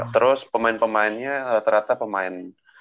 terus pemain pemainnya ternyata pemain